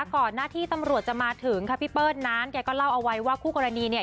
ก่อนหน้าที่ตำรวจจะมาถึงค่ะพี่เปิ้ลนั้นแกก็เล่าเอาไว้ว่าคู่กรณีเนี่ย